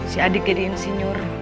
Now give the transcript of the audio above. si adik jadi insinyur